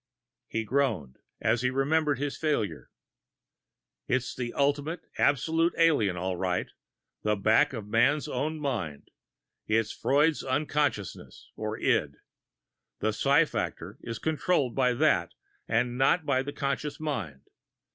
He groaned, as he remembered his failure. "It's the ultimate, absolute alien, all right the back of a man's own mind. It's Freud's unconsciousness, or id. The psi factor is controlled by that, and not by the conscious mind.